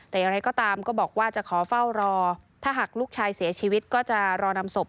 แต่อย่างไรก็ตามก็บอกว่าจะขอเฝ้ารอถ้าหากลูกชายเสียชีวิตก็จะรอนำศพ